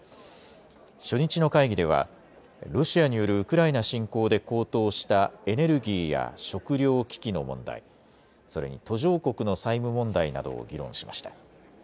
初日の会議ではロシアによるウクライナ侵攻で高騰したエネルギーや食料危機の問題、それに途上国の債務問題などを議論しました。